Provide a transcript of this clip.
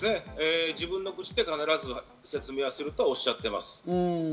自分の口で必ず説明するとおっしゃっています。